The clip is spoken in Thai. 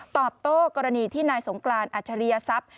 ตอบโต้กรณีที่นายสงกรานอัจฉริยทรัพย์